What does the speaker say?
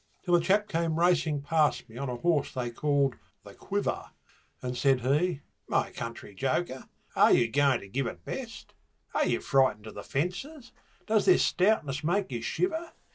Till a chap came racing past me on a horse they called 'The Quiver', And said he, 'My country joker, are you going to give it best? Are you frightened of the fences? does their stoutness make you shiver?